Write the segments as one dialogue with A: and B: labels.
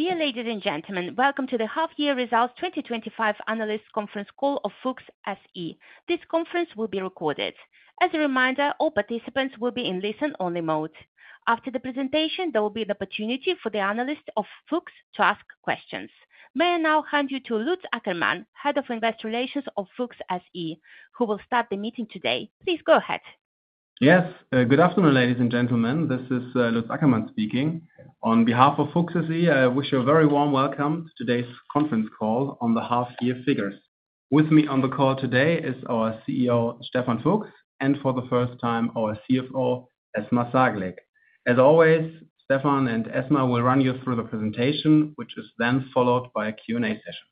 A: Dear ladies and gentlemen, welcome to the half year results 2025 analyst conference call of FUCHS SE. This conference will be recorded. As a reminder, all participants will be in listen-only mode. After the presentation, there will be an opportunity for the analysts of FUCHS to ask questions. May I now hand you to Lutz Ackermann, Head of Investor Relations of FUCHS SE, who will start the meeting today. Please go ahead.
B: Yes, good afternoon, ladies and gentlemen. This is Lutz Ackermann speaking. On behalf of FUCHS SE, I wish you a very warm welcome to today's conference call on the Half Year Figures. With me on the call today is our CEO, Stefan Fuchs, and for the first time, our CFO, Esma Saglik. As always, Stefan and Esma will run you through the presentation, which is then followed by a Q&A session.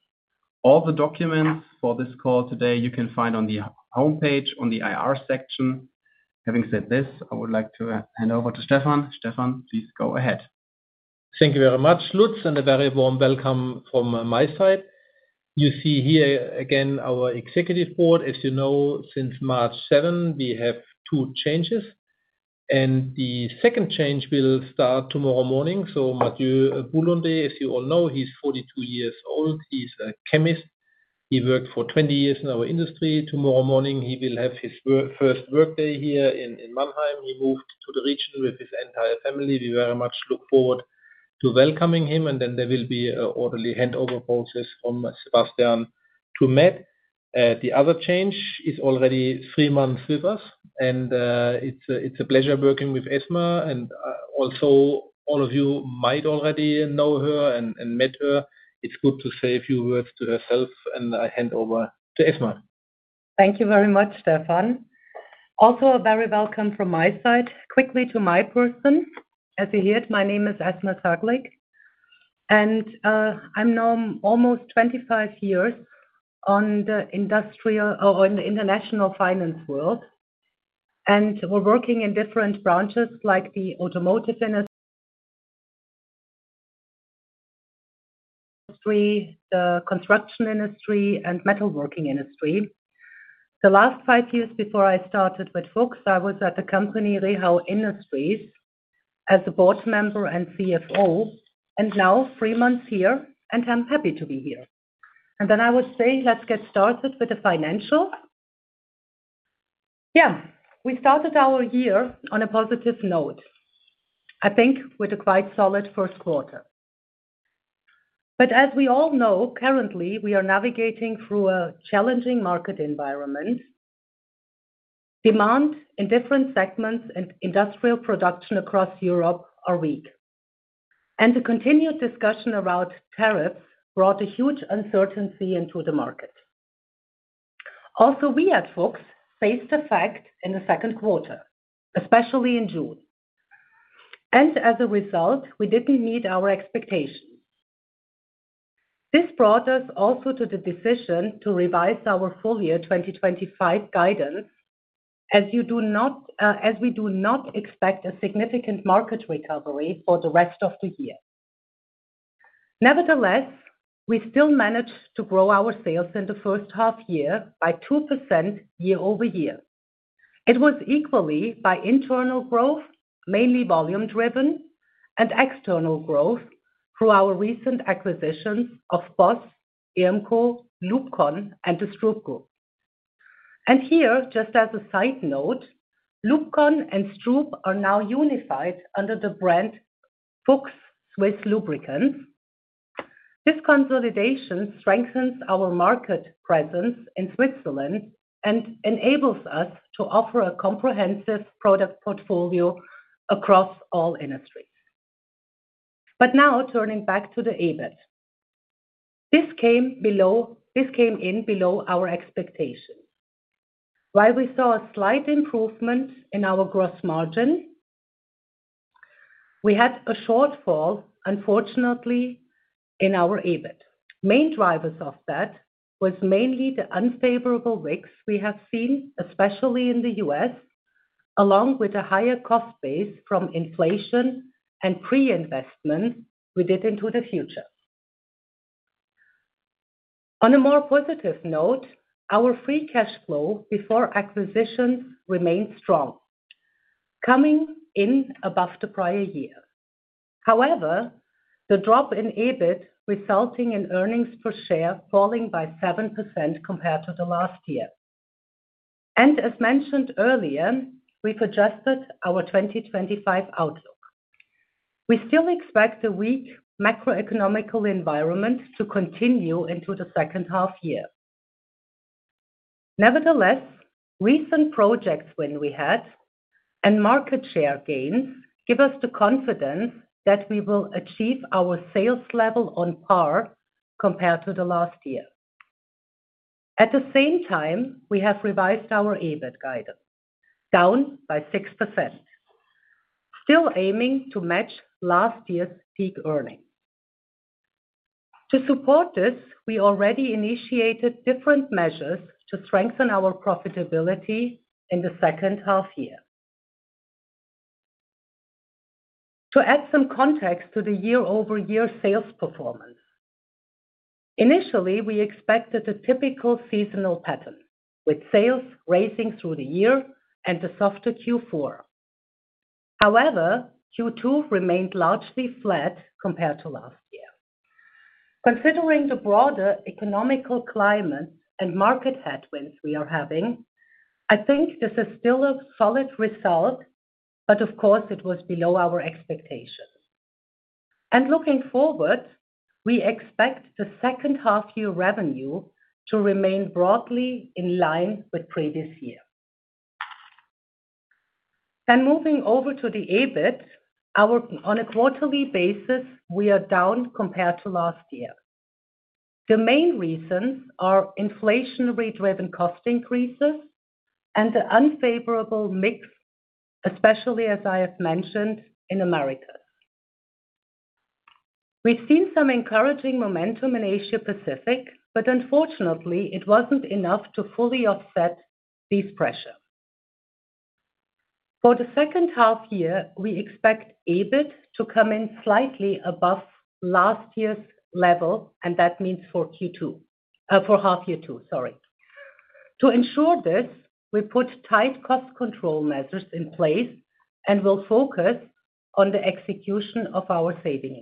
B: All the documents for this call today you can find on the homepage in the IR section. Having said this, I would like to hand over to Stefan. Stefan, please go ahead.
C: Thank you very much, Lutz, and a very warm welcome from my side. You see here again our executive board. As you know, since March 7, we have two changes, and the second change will start tomorrow morning. Mathieu Boulandet, as you all know, he's 42 years old. He's a chemist. He worked for 20 years in our industry. Tomorrow morning, he will have his first workday here in Mannheim. He moved to the region with his entire family. We very much look forward to welcoming him, and there will be an orderly handover process from Sebastian to Matt. The other change is already three months with us, and it's a pleasure working with Esma. Also, all of you might already know her and met her. It's good to say a few words to herself, and I hand over to Esma.
D: Thank you very much, Stefan. Also, a very welcome from my side. Quickly to my person. As you heard, my name is Esma Saglik, and I'm now almost 25 years in the industrial or in the international finance world, and working in different branches like the automotive industry, the construction industry, and the metalworking industry. The last five years before I started with FUCHS, I was at the company REHAU Industries as a board member and CFO, and now three months here, and I'm happy to be here. I would say let's get started with the financials. Yeah, we started our year on a positive note, I think, with a quite solid first quarter. As we all know, currently, we are navigating through a challenging market environment. Demand in different segments and industrial production across Europe are weak, and the continued discussion around tariffs brought a huge uncertainty into the market. Also, we at FUCHS faced a fact in the second quarter, especially in June, and as a result, we didn't meet our expectations. This brought us also to the decision to revise our full year 2025 guidance, as we do not expect a significant market recovery for the rest of the year. Nevertheless, we still managed to grow our sales in the first half year by 2% year-over-year. It was equally by internal growth, mainly volume-driven, and external growth through our recent acquisitions of BOSS, IRMCO, LUBCON and the STRUB Group. Here, just as a side note, LUBCON and SRUB are now unified under the brand FUCHS SWISS LUBRICANTS. This consolidation strengthens our market presence in Switzerland and enables us to offer a comprehensive product portfolio across all industries. Now, turning back to the EBIT, this came in below our expectations. While we saw a slight improvement in our gross margin, we had a shortfall, unfortunately, in our EBIT. Main drivers of that were mainly the unfavorable weeks we have seen, especially in the U.S., along with a higher cost base from inflation and pre-investment we did into the future. On a more positive note, our free cash flow before acquisitions remains strong, coming in above the prior year. However, the drop in EBIT resulted in earnings per share falling by 7% compared to the last year. As mentioned earlier, we've adjusted our 2025 outlook. We still expect a weak macro-economic environment to continue into the second half year. Nevertheless, recent projects we had and market share gains give us the confidence that we will achieve our sales level on par compared to last year. At the same time, we have revised our EBIT guidance down by 6%, still aiming to match last year's peak earnings. To support this, we already initiated different measures to strengthen our profitability in the second half year. To add some context to the year-over-year sales performance, initially, we expected a typical seasonal pattern with sales rising through the year and a softer Q4. However, Q2 remained largely flat compared to last year. Considering the broader economic climate and market headwinds we are having, I think this is still a solid result, but of course, it was below our expectations. Looking forward, we expect the second half year revenue to remain broadly in line with the previous year. Moving over to the EBIT, on a quarterly basis, we are down compared to last year. The main reasons are inflationary-driven cost increases and the unfavorable mix, especially as I have mentioned, in America. We've seen some encouraging momentum in Asia-Pacific, but unfortunately, it wasn't enough to fully offset these pressures. For the second half year, we expect EBIT to come in slightly above last year's level, and that means for Q2, for half year two, sorry. To ensure this, we put tight cost control measures in place and will focus on the execution of our saving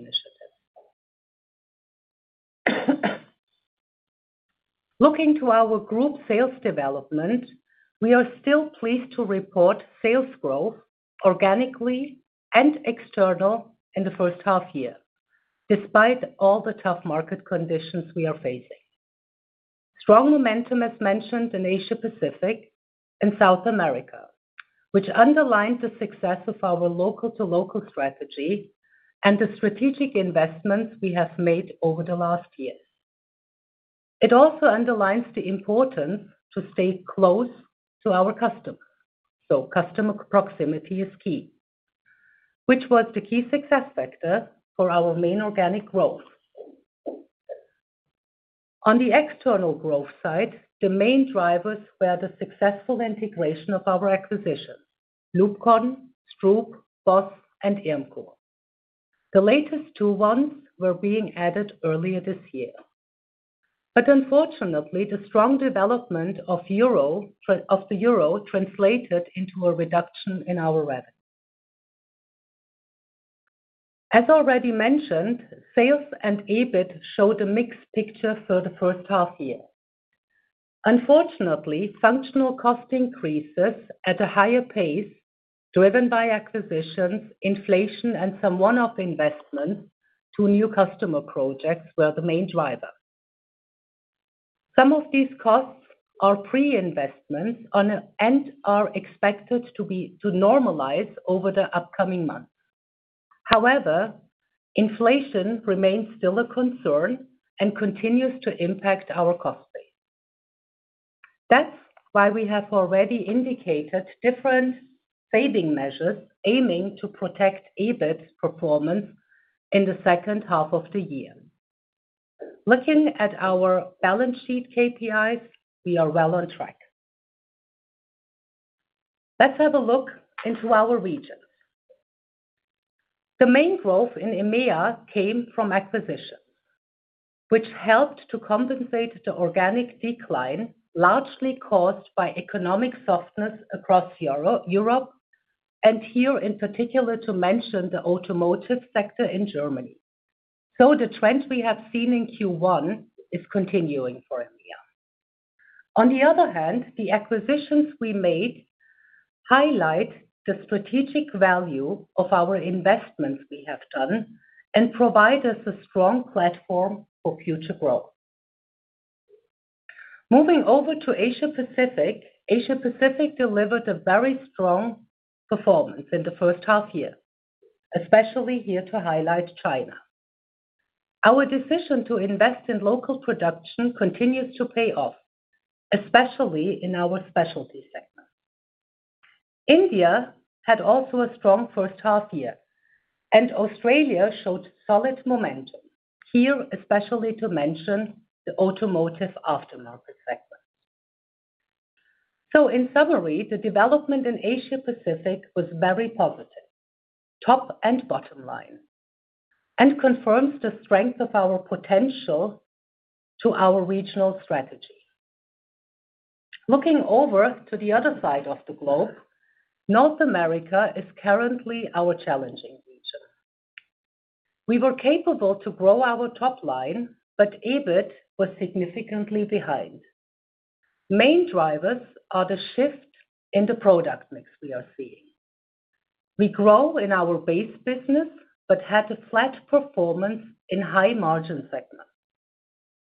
D: initiatives. Looking to our group sales development, we are still pleased to report sales growth organically and external in the first half year, despite all the tough market conditions we are facing. Strong momentum, as mentioned, in Asia-Pacific and South America, which underlined the success of our local-to-local strategy and the strategic investments we have made over the last year. It also underlines the importance to stay close to our customers. Customer proximity is key, which was the key success factor for our main organic growth. On the external growth side, the main drivers were the successful integration of our acquisitions, LUBCON, STRUB, BOSS, and IRMCO. The latest two ones were being added earlier this year. Unfortunately, the strong development of the euro translated into a reduction in our revenue. As already mentioned, sales and EBIT showed a mixed picture for the first half year. Unfortunately, functional cost increases at a higher pace, driven by acquisitions, inflation, and some one-off investments to new customer projects, were the main drivers. Some of these costs are pre-investments and are expected to normalize over the upcoming months. However, inflation remains still a concern and continues to impact our cost base. That's why we have already indicated different saving measures aiming to protect EBIT's performance in the second half of the year. Looking at our balance sheet KPIs, we are well on track. Let's have a look into our regions. The main growth in EMEA came from acquisitions, which helped to compensate the organic decline largely caused by economic softness across Europe, and here in particular to mention the automotive sector in Germany. The trend we have seen in Q1 is continuing for EMEA. On the other hand, the acquisitions we made highlight the strategic value of our investments we have done and provide us a strong platform for future growth. Moving over to Asia-Pacific, Asia-Pacific delivered a very strong performance in the first half year, especially here to highlight China. Our decision to invest in local production continues to pay off, especially in our specialty segment. India had also a strong first half year, and Australia showed solid momentum. Here, especially to mention the automotive aftermarket segment. In summary, the development in Asia-Pacific was very positive, top and bottom line, and confirms the strength of our potential to our regional strategy. Looking over to the other side of the globe, North America is currently our challenging region. We were capable to grow our top line, but EBIT was significantly behind. Main drivers are the shift in the product mix we are seeing. We grow in our base business but had a flat performance in high margin segments.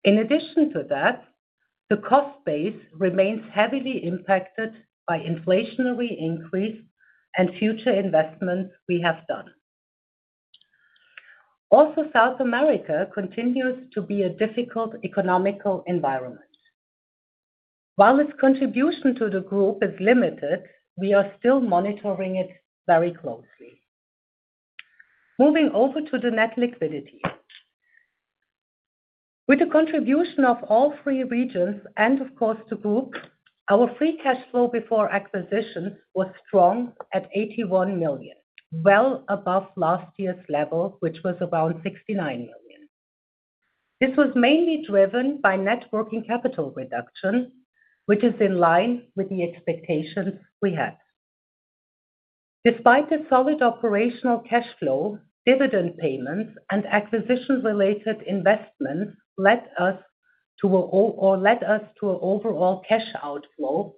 D: In addition to that, the cost base remains heavily impacted by inflationary increase and future investments we have done. Also, South America continues to be a difficult economic environment. While its contribution to the group is limited, we are still monitoring it very closely. Moving over to the net liquidity, with the contribution of all three regions and, of course, the group, our free cash flow before acquisitions was strong at €81 million, well above last year's level, which was around €69 million. This was mainly driven by networking capital reduction, which is in line with the expectations we had. Despite the solid operational cash flow, dividend payments and acquisition-related investments led us to an overall cash outflow,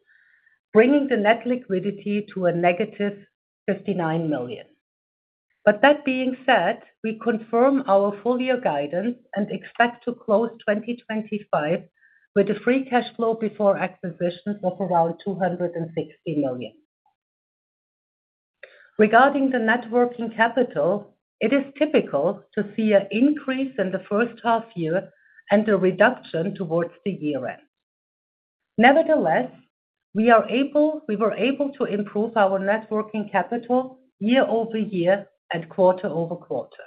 D: bringing the net liquidity to a -€59 million. That being said, we confirm our full year guidance and expect to close 2025 with a free cash flow before acquisitions of around €260 million. Regarding the net working capital, it is typical to see an increase in the first half year and a reduction towards the year end. Nevertheless, we were able to improve our net working capital year-over-year and quarter-over-quarter.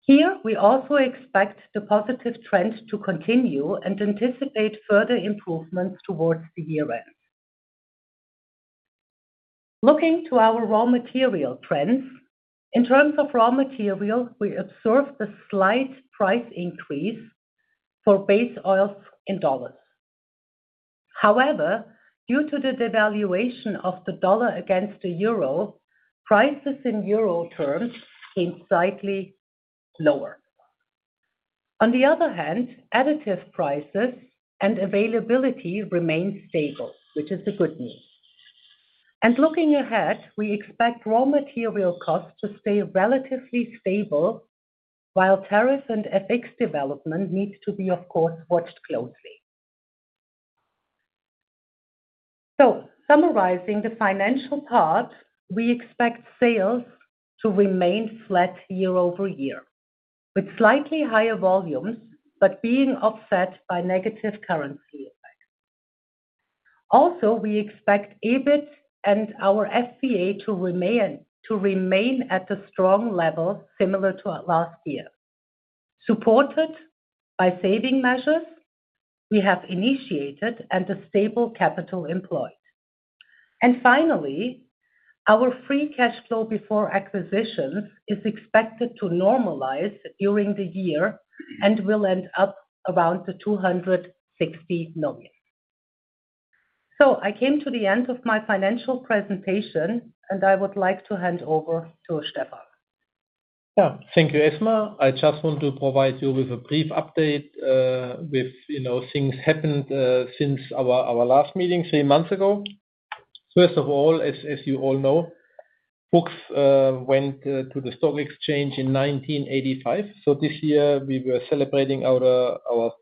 D: Here, we also expect the positive trend to continue and anticipate further improvements towards the year end. Looking to our raw material trends, in terms of raw material, we observed a slight price increase for base oils in dollars. However, due to the devaluation of the dollar against the euro, prices in euro terms came slightly lower. On the other hand, additive prices and availability remain stable, which is the good news. Looking ahead, we expect raw material costs to stay relatively stable while tariffs and FX development need to be, of course, watched closely. Summarizing the financial part, we expect sales to remain flat year-over-year with slightly higher volumes, but being offset by negative currency effects. We also expect EBIT and our free cash flow to remain at the strong level, similar to last year, supported by saving measures we have initiated and the stable capital employed. Finally, our free cash flow before acquisitions is expected to normalize during the year and will end up around the €260 million. I came to the end of my financial presentation, and I would like to hand over to Stefan.
C: Thank you, Esma. I just want to provide you with a brief update with things that happened since our last meeting three months ago. First of all, as you all know, FUCHS went to the Stock Exchange in 1985. This year, we were celebrating our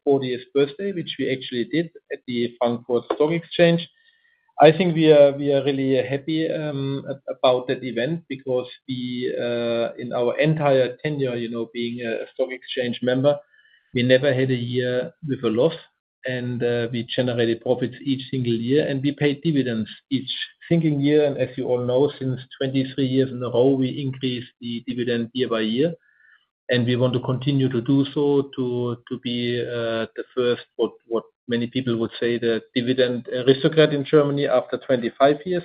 C: 40th birthday, which we actually did at the Frankfurt Stock Exchange. I think we are really happy about that event because in our entire tenure being a Stock Exchange member, we never had a year with a loss, and we generated profits each single year, and we paid dividends each single year. As you all know, since 23 years in a row, we increased the dividend year by year, and we want to continue to do so to be the first, what many people would say, the dividend aristocrat in Germany after 25 years.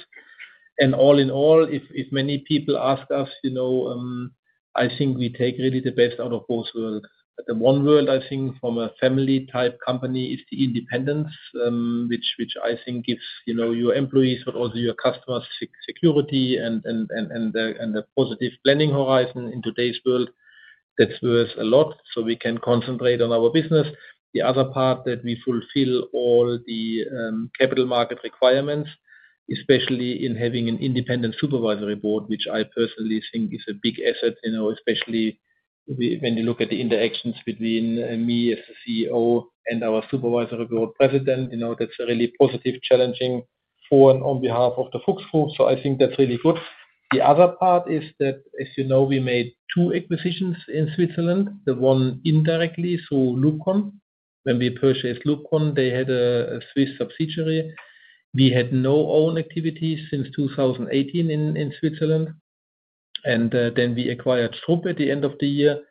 C: All in all, if many people ask us, I think we take really the best out of both worlds. The one world, I think, from a family-type company is the independence, which I think gives your employees, but also your customers, security and a positive planning horizon. In today's world, that's worth a lot, so we can concentrate on our business. The other part is that we fulfill all the capital market requirements, especially in having an independent supervisory board, which I personally think is a big asset, especially when you look at the interactions between me as the CEO and our supervisory board president. That's a really positive, challenging forum on behalf of the FUCHS Group, so I think that's really good. The other part is that, as you know, we made two acquisitions in Switzerland, the one indirectly through LUBCON. When we purchased LUBCON, they had a Swiss subsidiary. We had no own activities since 2018 in Switzerland, and then we acquired SRUB at the end of the year.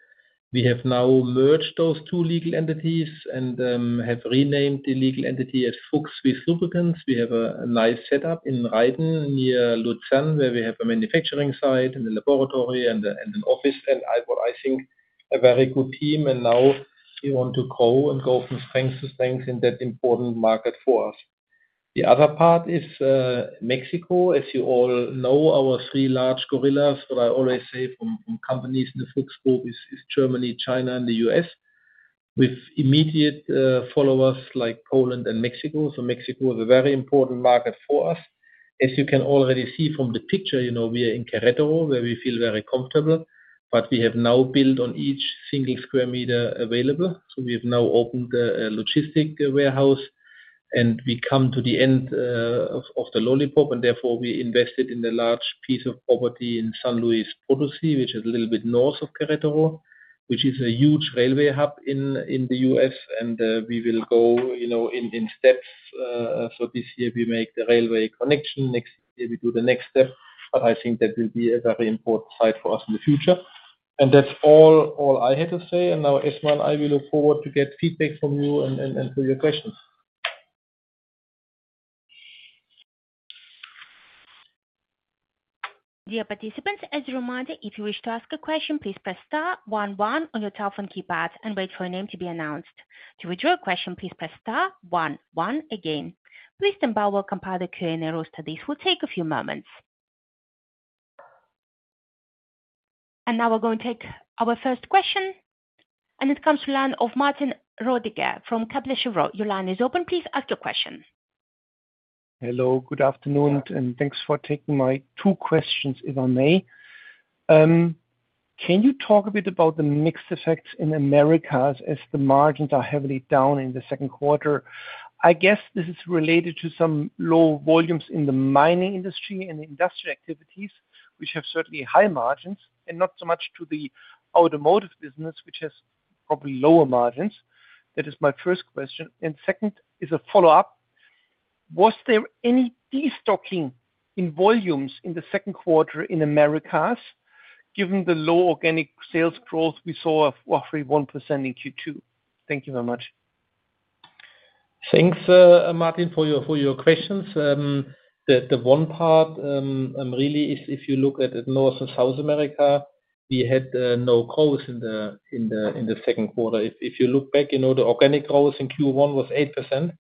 C: We have now merged those two legal entities and have renamed the legal entity as FUCHS SWISS LUBRICANTS. We have a nice setup in Reiden near Lucerne, where we have a manufacturing site, a laboratory, and an office, and what I think is a very good team. Now we want to grow and go from strength to strength in that important market for us. The other part is Mexico. As you all know, our three large gorillas, what I always say from companies in the FUCHS Group, are Germany, China, and the U.S., with immediate followers like Poland and Mexico. Mexico is a very important market for us. As you can already see from the picture, we are in Querétaro, where we feel very comfortable, but we have now built on each single square meter available. We have now opened a logistic warehouse, and we come to the end of the lollipop, therefore we invested in a large piece of property in San Luis Potosí, which is a little bit north of Querétaro, which is a huge railway hub in the U.S. We will go in steps. This year we make the railway connection, next year we do the next step. I think that will be a very important site for us in the future. That's all I had to say. Now, Esma and I will look forward to get feedback from you and answer your questions.
A: Dear participants, as a reminder, if you wish to ask a question, please press star one, one on your telephone keypad and wait for your name to be announced. To withdraw a question, please press star one, one again. Please stand by while we compile the Q&A rows. This will take a few moments. We are going to take our first question, and it comes to the line of Martin Rödiger from Kepler Cheuvreux. Your line is open. Please ask your question.
E: Hello, good afternoon, and thanks for taking my two questions, if I may. Can you talk a bit about the mixed effects in Americas as the margins are heavily down in the second quarter? I guess this is related to some low volumes in the mining industry and the industrial activities, which have certainly high margins, and not so much to the automotive business, which has probably lower margins. That is my first question. Second is a follow-up. Was there any destocking in volumes in the second quarter in Americas given the low organic sales growth we saw of roughly 1% in Q2? Thank you very much.
C: Thanks, Martin, for your questions. The one part really is if you look at North and South America, we had no growth in the second quarter. If you look back, the organic growth in Q1 was 8%,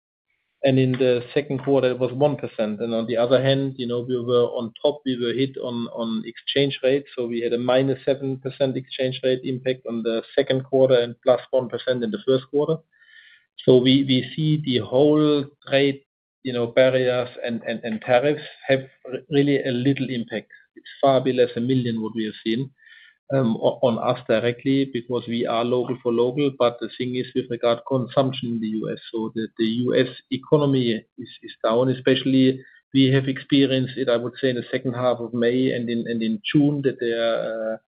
C: and in the second quarter, it was 1%. On the other hand, we were on top. We were hit on exchange rates, so we had a -7% exchange rate impact on the second quarter and +1% in the first quarter. We see the whole trade barriers and tariffs have really a little impact. It's far below $1 million what we have seen on us directly because we are local-to-local. The thing is, with regard to consumption in the U.S., the U.S. economy is down, especially we have experienced it, I would say, in the second half of May and in June that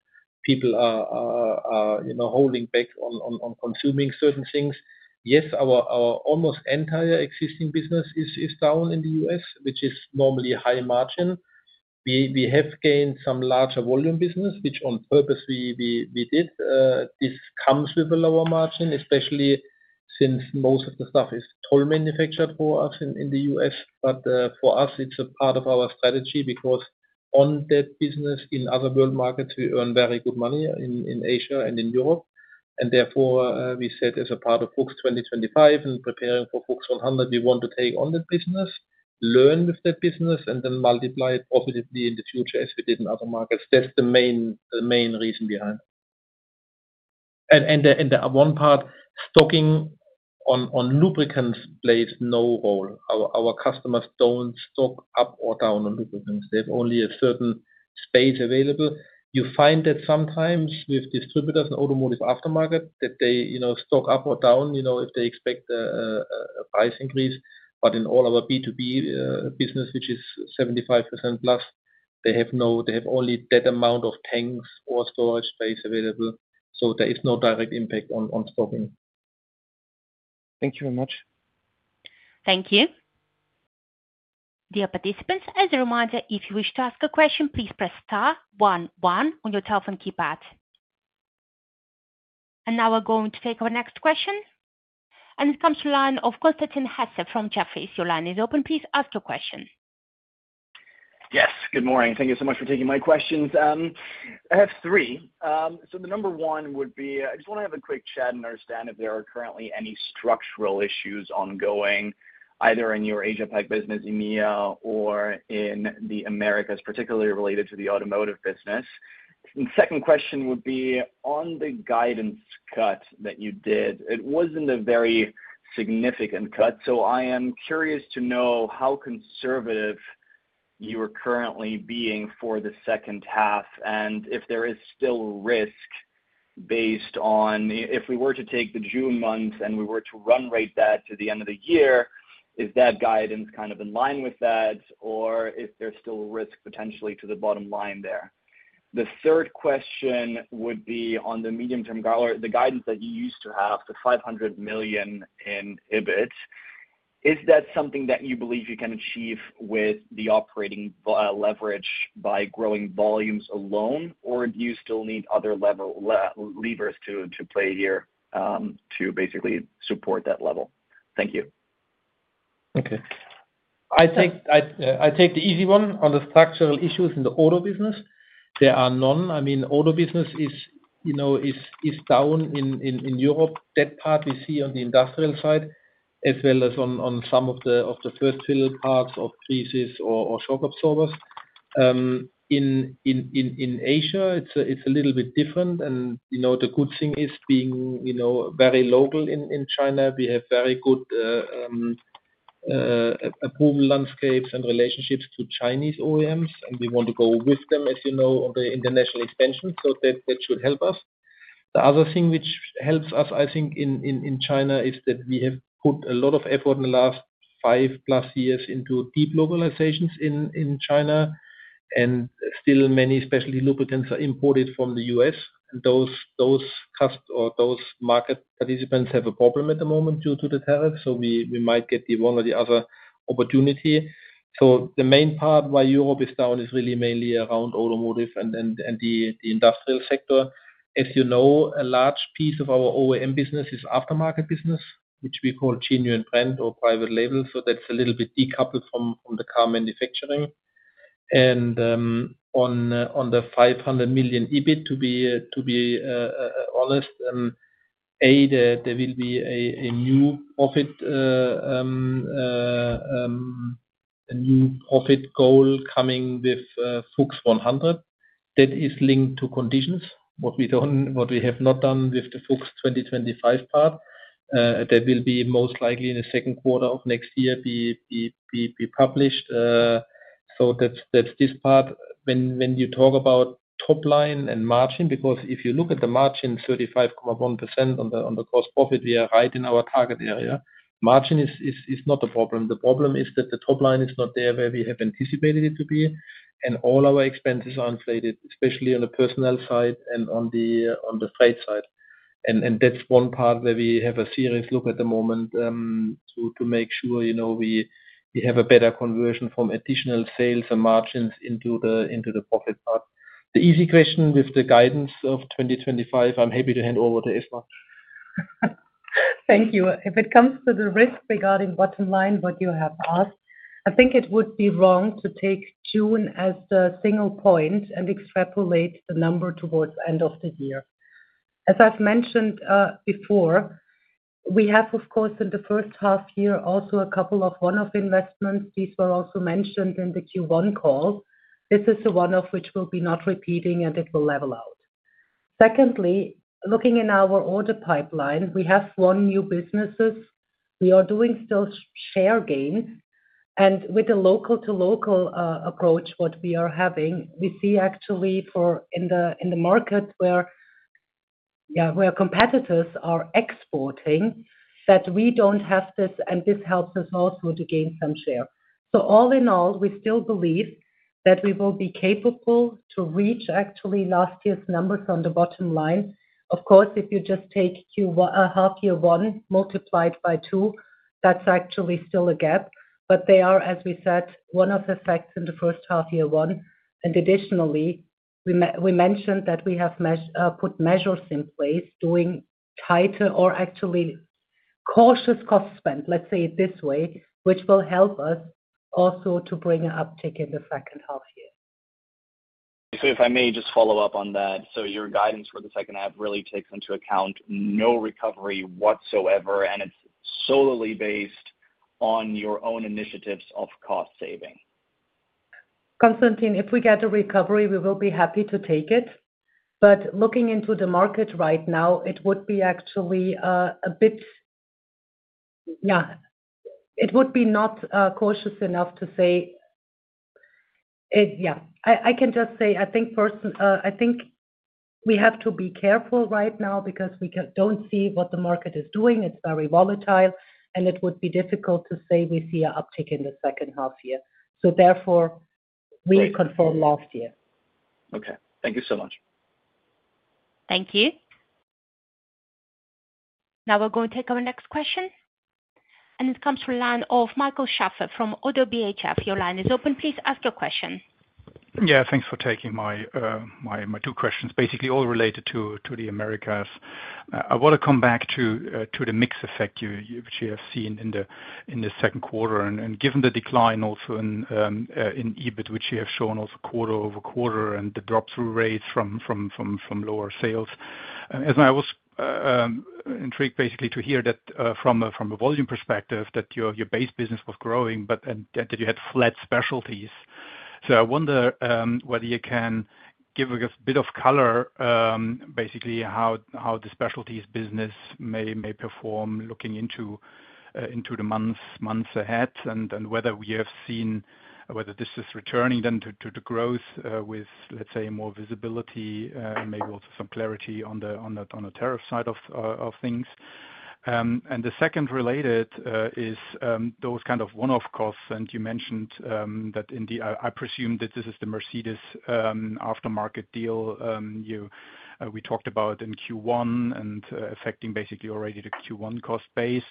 C: people are holding back on consuming certain things. Yes, our almost entire existing business is down in the U.S., which is normally a high margin. We have gained some larger volume business, which on purpose we did. This comes with a lower margin, especially since most of the stuff is toll manufactured for us in the U.S. For us, it's a part of our strategy because on that business in other world markets, we earn very good money in Asia and in Europe. Therefore, we said as a part of FUCHS 2025 and preparing for FUCHS 100, we want to take on that business, learn with that business, and then multiply it positively in the future as we did in other markets. That's the main reason behind it. The one part, stocking on lubricants plays no role. Our customers don't stock up or down on lubricants. They have only a certain space available. You find that sometimes with distributors and automotive aftermarket that they stock up or down if they expect a price increase. In all our B2B business, which is 75%+, they have only that amount of tanks or storage space available. There is no direct impact on stocking.
E: Thank you very much.
A: Thank you. Dear participants, as a reminder, if you wish to ask a question, please press star one, one on your telephone keypad. We are going to take our next question. It comes to the line of Constantin Hesse from Jefferies. Your line is open. Please ask your question.
F: Yes, good morning. Thank you so much for taking my questions. I have three. The number one would be, I just want to have a quick chat and understand if there are currently any structural issues ongoing either in your Asia-Pacific business, EMEA, or in the Americas, particularly related to the automotive business. The second question would be, on the guidance cut that you did, it wasn't a very significant cut. I am curious to know how conservative you are currently being for the second half and if there is still risk based on if we were to take the June month and we were to run rate that to the end of the year, is that guidance kind of in line with that or is there still risk potentially to the bottom line there? The third question would be, on the medium-term guidance that you used to have, the $500 million in EBIT, is that something that you believe you can achieve with the operating leverage by growing volumes alone or do you still need other levers to play here to basically support that level? Thank you.
C: Okay. I take the easy one. On the structural issues in the auto business, there are none. I mean, the auto business is, you know, is down in Europe. That part we see on the industrial side as well as on some of the first-filled parts of creases or shock absorbers. In Asia, it's a little bit different. The good thing is being, you know, very local in China. We have very good approval landscapes and relationships to Chinese OEMs, and we want to go with them, as you know, on the international expansion. That should help us. The other thing which helps us, I think, in China is that we have put a lot of effort in the last five-plus years into deep localizations in China, and still many, especially lubricants, are imported from the U.S. Those customers or those market participants have a problem at the moment due to the tariffs. We might get the one or the other opportunity. The main part why Europe is down is really mainly around automotive and the industrial sector. As you know, a large piece of our OEM business is aftermarket business, which we call genuine brand or private label. That's a little bit decoupled from the car manufacturing. On the $500 million EBIT, to be honest, A, there will be a new profit goal coming with FUCHS 100 that is linked to conditions, what we don't, what we have not done with the FUCHS 2025 part. That will be most likely in the second quarter of next year be published. That's this part. When you talk about top line and margin, because if you look at the margin, 35.1% on the gross profit, we are right in our target area. Margin is not a problem. The problem is that the top line is not there where we have anticipated it to be, and all our expenses are inflated, especially on the personnel side and on the freight side. That's one part where we have a serious look at the moment to make sure, you know, we have a better conversion from additional sales and margins into the profit part. The easy question with the guidance of 2025, I'm happy to hand over to Esma.
D: Thank you. If it comes to the risk regarding bottom line, what you have asked, I think it would be wrong to take June as the single point and extrapolate the number towards the end of the year. As I've mentioned before, we have, of course, in the first half year, also a couple of one-off investments. These were also mentioned in the Q1 call. This is the one-off which will be not repeating, and it will level out. Secondly, looking in our order pipeline, we have one new business. We are doing still share gains. With a local-to-local approach, what we are having, we see actually in the market where our competitors are exporting that we don't have this, and this helps us also to gain some share. All in all, we still believe that we will be capable to reach actually last year's numbers on the bottom line. Of course, if you just take Q1, a half year one multiplied by two, that's actually still a gap. There are, as we said, one of the facts in the first half year one. Additionally, we mentioned that we have put measures in place doing tighter or actually cautious cost spend, let's say it this way, which will help us also to bring an uptick in the second half year.
F: If I may just follow up on that, your guidance for the second half really takes into account no recovery whatsoever, and it's solely based on your own initiatives of cost saving.
D: Constantin, if we get a recovery, we will be happy to take it. Looking into the market right now, it would actually be a bit, yeah, it would not be cautious enough to say, yeah, I can just say I think we have to be careful right now because we don't see what the market is doing. It's very volatile, and it would be difficult to say we see an uptick in the second half year. Therefore, we confirm last year.
F: Okay, thank you so much.
A: Thank you. Now we're going to take our next question, and it comes to the line of Michael Schaffer from ODDO BHF. Your line is open. Please ask your question.
G: Yeah, thanks for taking my two questions, basically all related to the Americas. I want to come back to the mix effect you have seen in the second quarter and given the decline also in EBIT, which you have shown also quarter over quarter and the drop-through rates from lower sales. I was intrigued basically to hear that from a volume perspective that your base business was growing and that you had flat specialties. I wonder whether you can give us a bit of color, basically how the specialties business may perform looking into the months ahead and whether we have seen whether this is returning then to growth with, let's say, more visibility and maybe also some clarity on the tariff side of things. The second related is those kind of one-off costs. You mentioned that in the I presume that this is the Mercedes aftermarket deal we talked about in Q1 and affecting basically already the Q1 cost base.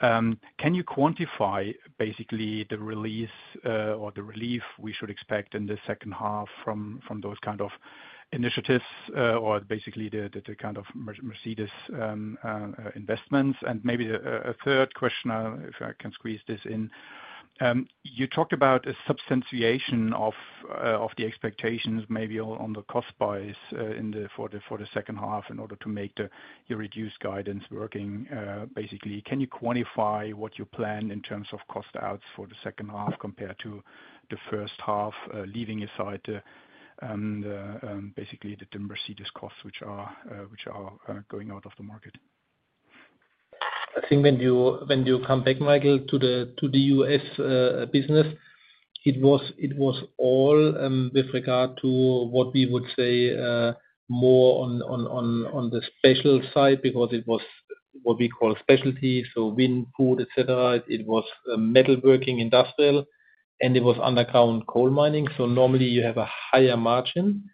G: Can you quantify basically the release or the relief we should expect in the second half from those kind of initiatives or basically the kind of Mercedes investments? Maybe a third question, if I can squeeze this in. You talked about a substantiation of the expectations maybe on the cost bias for the second half in order to make your reduced guidance working. Basically, can you quantify what your plan in terms of cost outs for the second half compared to the first half leaving aside basically the Mercedes costs which are going out of the market?
C: I think when you come back, Michael, to the U.S. business, it was all with regard to what we would say more on the special side because it was what we call specialty. Wind, food, etc. It was metalworking, industrial, and it was underground coal mining. Normally, you have a higher margin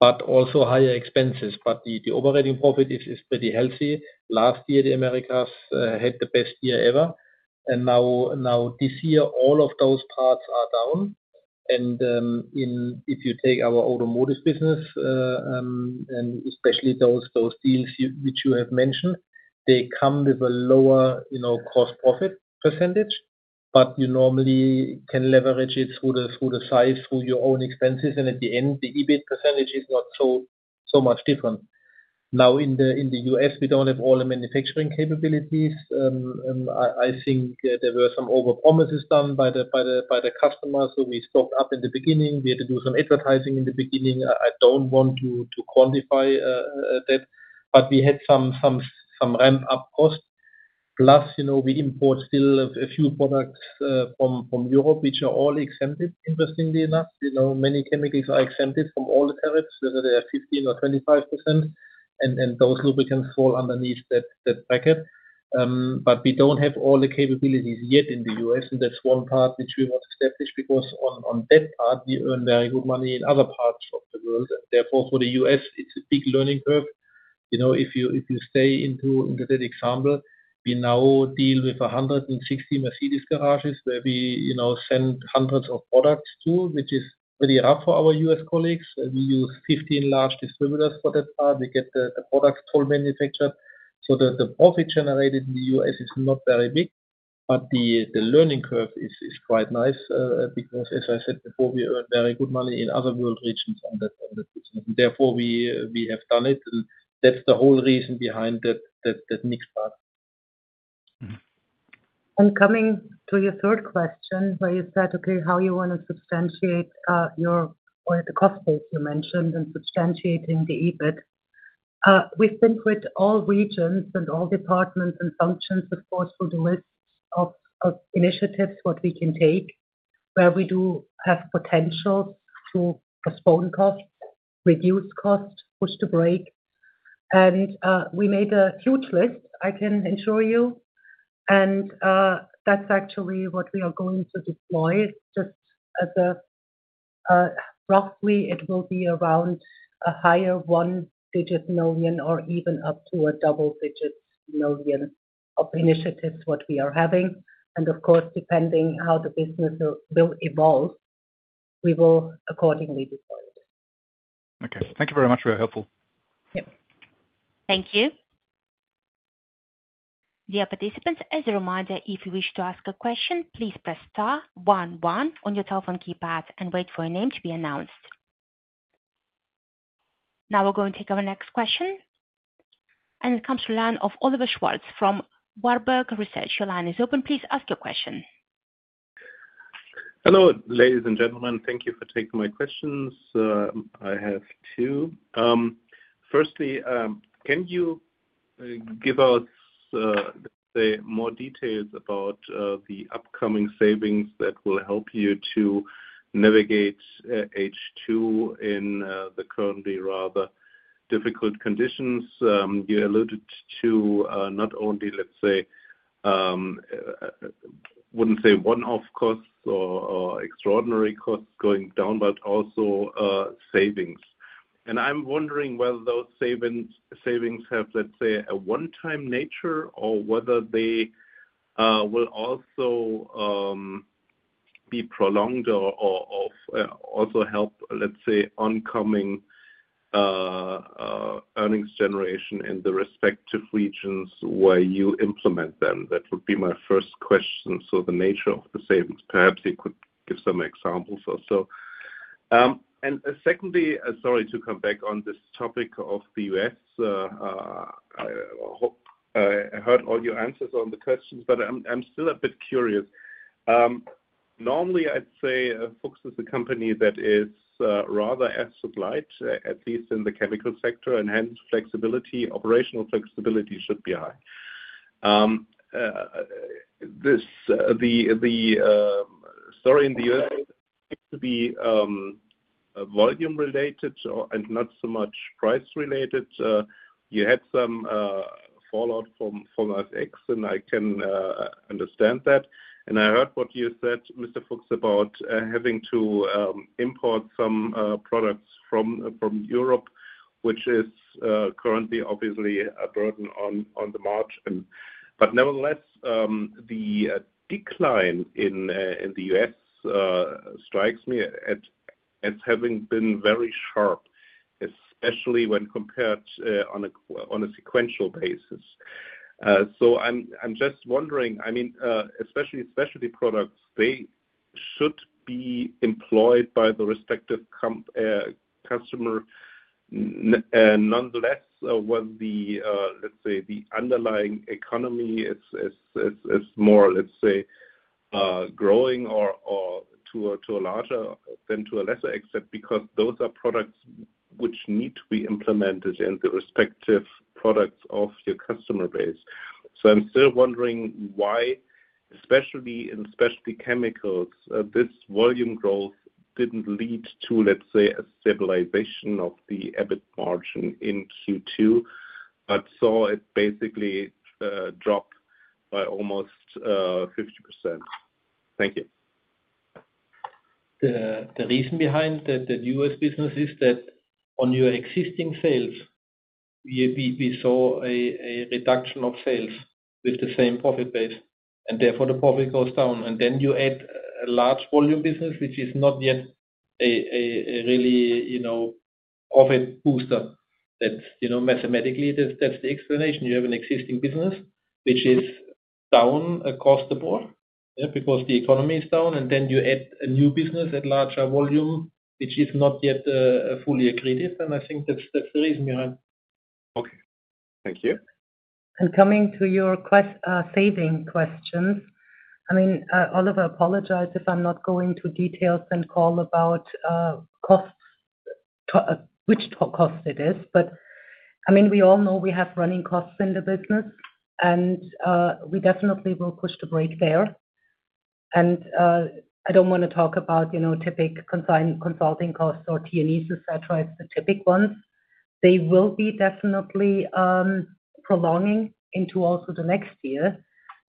C: but also higher expenses, but the operating profit is pretty healthy. Last year, the Americas had the best year ever. This year, all of those parts are down. If you take our automotive business and especially those deals which you have mentioned, they come with a lower gross profit percentage, but you normally can leverage it through the size, through your own expenses. At the end, the EBIT percentage is not so much different. Now, in the U.S., we don't have all the manufacturing capabilities. I think there were some overpromises done by the customers. We stocked up in the beginning. We had to do some advertising in the beginning. I don't want to quantify that, but we had some ramp-up costs. Plus, you know, we import still a few products from Europe, which are all exempted, interestingly enough. Many chemicals are exempted from all the tariffs, whether they are 15% or 25%. Those lubricants fall underneath that bracket. We don't have all the capabilities yet in the U.S., and that's one part which we want to establish because on that part, we earn very good money in other parts of the world. Therefore, for the U.S., it's a big learning curve. If you stay into that example, we now deal with 160 Mercedes garages where we send hundreds of products to, which is pretty rough for our U.S. colleagues. We use 15 large distributors for that part. We get the products toll manufactured. The profit generated in the U.S. is not very big, but the learning curve is quite nice because, as I said before, we earn very good money in other world regions on that business. Therefore, we have done it, and that's the whole reason behind that mixed part.
D: Coming to your third question, where you said, okay, how you want to substantiate the cost base you mentioned and substantiating the EBIT. We've been through it all regions and all departments and functions, of course, through the list of initiatives, what we can take, where we do have potentials to postpone costs, reduce costs, push to break. We made a huge list, I can ensure you. That's actually what we are going to deploy. Just as a roughly, it will be around a higher one-digit million or even up to a double-digit million of initiatives what we are having. Of course, depending on how the business will evolve, we will accordingly deploy it.
G: Okay, thank you very much. Very helpful.
D: Yeah.
A: Thank you. Dear participants, as a reminder, if you wish to ask a question, please press star one, one on your telephone keypad and wait for your name to be announced. Now we're going to take our next question. It comes to the line of Oliver Schwartz from Warburg Research. Your line is open. Please ask your question.
H: Hello, ladies and gentlemen. Thank you for taking my questions. I have two. Firstly, can you give us more details about the upcoming savings that will help you to navigate H2 in the currently rather difficult conditions? You alluded to not only, let's say, I wouldn't say one-off costs or extraordinary costs going down, but also savings. I'm wondering whether those savings have, let's say, a one-time nature or whether they will also be prolonged or also help, let's say, oncoming earnings generation in the respective regions where you implement them. That would be my first question. The nature of the savings, perhaps you could give some examples also. Secondly, sorry to come back on this topic of the U.S. I hope I heard all your answers on the questions, but I'm still a bit curious. Normally, I'd say FUCHS is a company that is rather asset-light, at least in the chemical sector, and hence flexibility, operational flexibility should be high. The story in the U.S. seems to be volume-related and not so much price-related. You had some fallout from FX, and I can understand that. I heard what you said, Mr. Fuchs, about having to import some products from Europe, which is currently obviously a burden on the margin. Nevertheless, the decline in the U.S. strikes me as having been very sharp, especially when compared on a sequential basis. I'm just wondering, I mean, especially specialty products, they should be employed by the respective customer. Nonetheless, whether the, let's say, the underlying economy is more, let's say, growing or to a larger than to a lesser extent because those are products which need to be implemented in the respective products of your customer base. I'm still wondering why, especially in specialty chemicals, this volume growth didn't lead to, let's say, a stabilization of the EBIT margin in Q2, but saw it basically drop by almost 50%. Thank you.
C: The reason behind the U.S. business is that on your existing sales, we saw a reduction of sales with the same profit base, and therefore, the profit goes down. You add a large volume business, which is not yet a really, you know, profit booster. Mathematically, that's the explanation. You have an existing business, which is down across the board, yeah, because the economy is down, and you add a new business at larger volume, which is not yet fully accretive. I think that's the reason behind.
H: Okay. Thank you.
D: Coming to your question, saving questions. I mean, Oliver, apologize if I'm not going into details and call about costs, which cost it is. I mean, we all know we have running costs in the business, and we definitely will push to break there. I don't want to talk about, you know, typically consulting costs or T&Es, etc. It's the typical ones. They will be definitely prolonging into also the next year.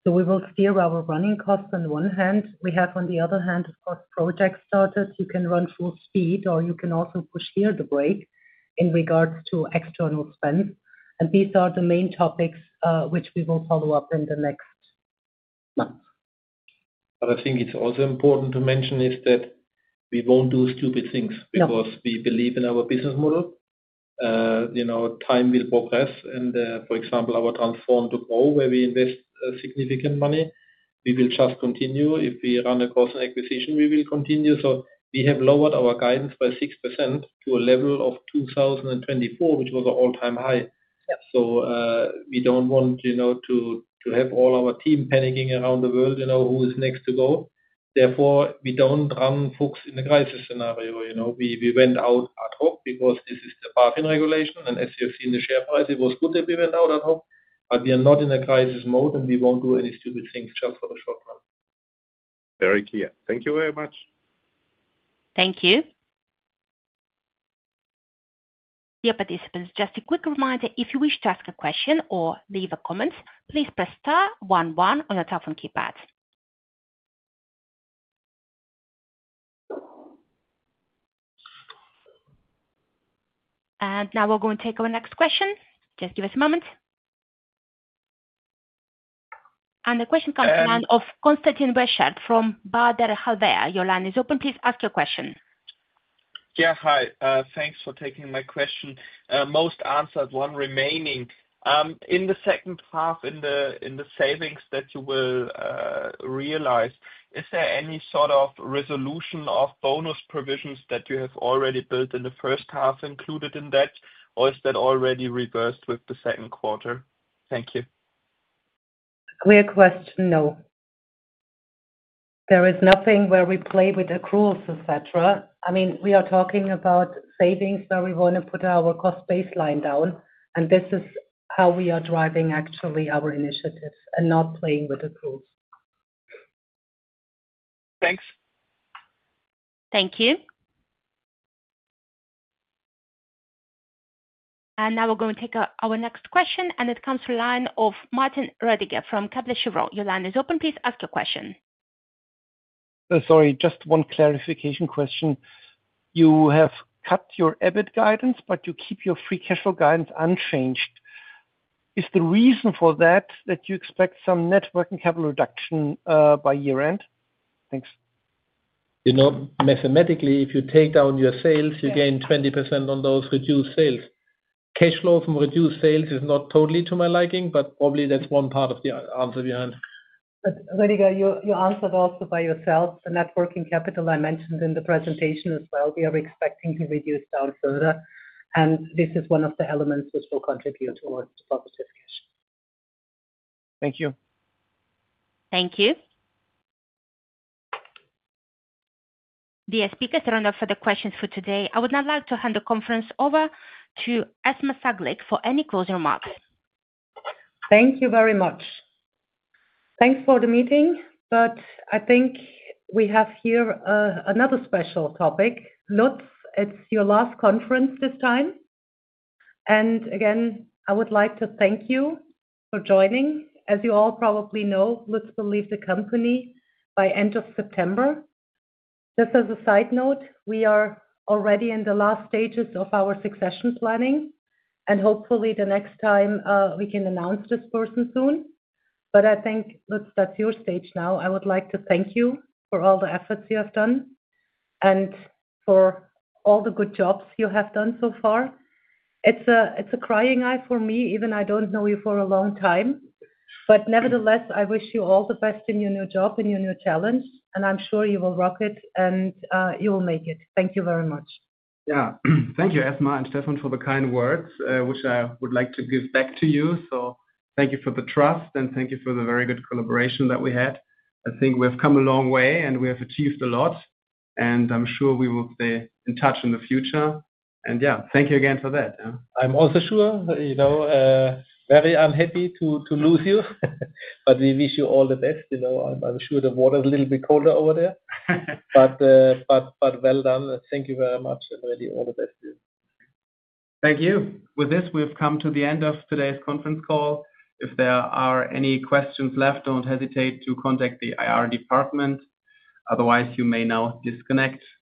D: We will steer our running costs on the one hand. We have, on the other hand, of course, projects started. You can run full speed, or you can also push here to break in regards to external spends. These are the main topics which we will follow up in the next month.
C: I think it's also important to mention that we won't do stupid things because we believe in our business model. Time will progress. For example, our transform to grow, where we invest significant money, we will just continue. If we run a cost and acquisition, we will continue. We have lowered our guidance by 6% to a level of 2024, which was an all-time high. We don't want to have all our team panicking around the world, you know, who is next to go. Therefore, we don't run FUCHS in a crisis scenario. We went out ad hoc because this is the parking regulation. As you have seen the share price, it was good that we went out ad hoc. We are not in a crisis mode, and we won't do any stupid things just for the short run.
H: Very clear. Thank you very much.
A: Thank you. Dear participants, just a quick reminder, if you wish to ask a question or leave a comment, please press star one, one on your telephone keypad. We are going to take our next question. Just give us a moment. The question comes to the line of Konstantin Wiechert from Baader-Helvea. Your line is open. Please ask your question.
E: Yeah, hi. Thanks for taking my question. Most answered, one remaining. In the second half, in the savings that you will realize, is there any sort of resolution of bonus provisions that you have already built in the first half included in that, or is that already reversed with the second quarter? Thank you.
D: Great question. No, there is nothing where we play with accruals, etc. We are talking about savings where we want to put our cost baseline down, and this is how we are driving actually our initiatives, not playing with accruals.
E: Thanks.
A: Thank you. We are going to take our next question. It comes to the line of Martin Rödige from Kepler Cheuvreux. Your line is open. Please ask your question.
E: Sorry, just one clarification question. You have cut your EBIT guidance, but you keep your free cash flow guidance unchanged. Is the reason for that that you expect some net working capital reduction by year end? Thanks.
C: Mathematically, if you take down your sales, you gain 20% on those reduced sales. Cash flow from reduced sales is not totally to my liking, but probably that's one part of the answer behind.
D: Rödiger, you answered also by yourself. The networking capital I mentioned in the presentation as well, we are expecting to reduce down further. This is one of the elements which will contribute towards the positive cash.
E: Thank you.
A: Thank you. The speakers are under for the questions for today. I would now like to hand the conference over to Esma Saglik for any closing remarks.
D: Thank you very much. Thanks for the meeting. I think we have here another special topic. Lutz, it's your last conference this time. Again, I would like to thank you for joining. As you all probably know, Lutz will leave the company by the end of September. Just as a side note, we are already in the last stages of our succession planning, and hopefully, the next time, we can announce this person soon. I think, Lutz, that's your stage now. I would like to thank you for all the efforts you have done and for all the good jobs you have done so far. It's a crying eye for me, even though I don't know you for a long time. Nevertheless, I wish you all the best in your new job and your new challenge. I'm sure you will rock it, and you will make it. Thank you very much.
B: Thank you, Esma and Stefan, for the kind words, which I would like to give back to you. Thank you for the trust and thank you for the very good collaboration that we had. I think we have come a long way, and we have achieved a lot. I'm sure we will stay in touch in the future. Thank you again for that.
C: I'm also sure, you know, very unhappy to lose you, but we wish you all the best. I'm sure the water is a little bit colder over there. Well done. Thank you very much and really, all the best to you.
B: Thank you. With this, we have come to the end of today's conference call. If there are any questions left, don't hesitate to contact the IR department. Otherwise, you may now disconnect. Bye-bye.